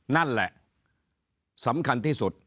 นั่นแหละสำคัญที่สุด